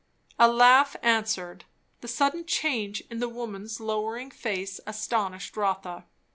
A laugh answered. The sudden change in the woman's lowering face astonished Rotha.